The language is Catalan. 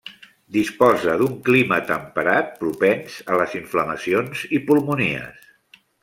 Disposa d'un clima temperat, propens a les inflamacions i pulmonies.